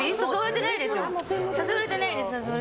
誘われてないです。